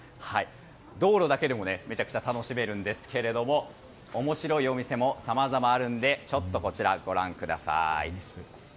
道路だけでもめちゃくちゃ楽しめるんですが面白いお店も、さまざまあるのでこちらご覧ください。